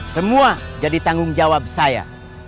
semua jadi tanggung jawab saya